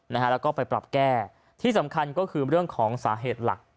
แล้วก็ไปปรับแก้ที่สำคัญก็คือเรื่องของสาเหตุหลัก